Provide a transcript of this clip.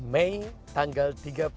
mei tanggal tiga puluh